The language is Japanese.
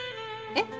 えっ？